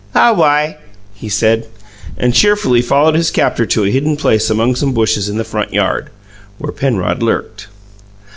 "Aw wi," he said, and cheerfully followed his captor to a hidden place among some bushes in the front yard, where Penrod lurked.